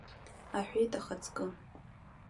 Аҳәеит ахаҵкы.